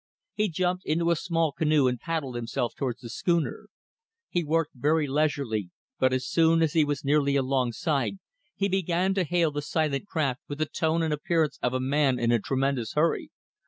He jumped into a small canoe and paddled himself towards the schooner. He worked very leisurely, but as soon as he was nearly alongside he began to hail the silent craft with the tone and appearance of a man in a tremendous hurry.